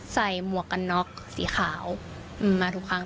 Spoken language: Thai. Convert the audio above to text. หมวกกันน็อกสีขาวมาทุกครั้ง